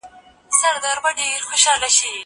زه به سبا ښوونځی ته ځم وم!!